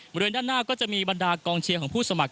บริเวณด้านหน้าก็จะมีบรรดากองเชียร์ของผู้สมัคร